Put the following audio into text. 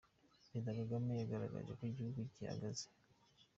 Perezida Kagame yagaragaje uko igihugu gihagaze